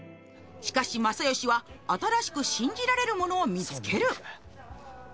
しかし正義は新しく信じられるものを見つける